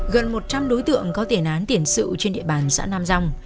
gần một trăm linh đối tượng có tiền án tiền sự trên địa bàn xã nam rong